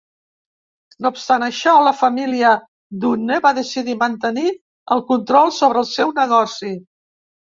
No obstant això, la família Dunne va decidir mantenir el control sobre el seu negoci.